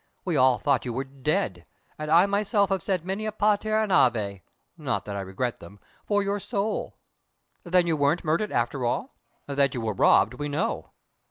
We all thought you were dead, and I myself have said many a pater and ave (not that I regret them!) for your soul. Then you weren't murdered, after all? That you were robbed, we know!"